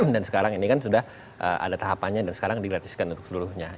dan sekarang ini kan sudah ada tahapannya dan sekarang digratiskan untuk seluruhnya